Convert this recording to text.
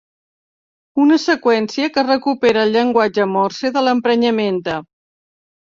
Una seqüència que recupera el llenguatge Morse de l'emprenyamenta.